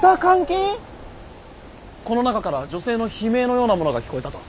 この中から女性の悲鳴のようなものが聞こえたと。